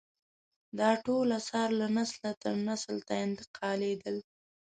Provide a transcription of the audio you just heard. دا ټول اثار له نسله تر نسل ته انتقالېدل.